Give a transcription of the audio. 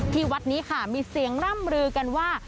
ที่วัดนี้ค่ะมีเสียงร่ำลือกันว่า